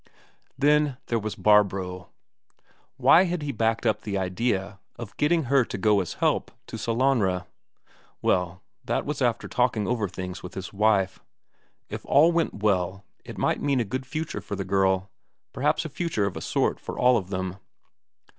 Then there was Barbro why had he backed up the idea of getting her to go as help to Sellanraa? Well, that was after talking over things with his wife. If all went well, it might mean a good future for the girl, perhaps a future of a sort for all of them.